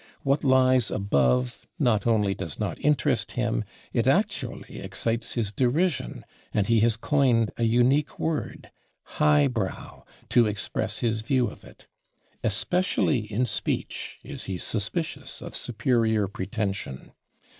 What lies above not only does not interest him; it actually excites his derision, and he has coined a unique word, /high brow/, to express his view of it. Especially in speech is he suspicious of superior pretension.